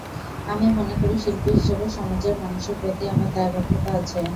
আমি মনে করি, শিল্পী হিসেবে সমাজের মানুষের প্রতি আমার দায়বদ্ধতা আছে।